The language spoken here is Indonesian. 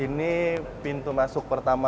ini pintu masuk pertama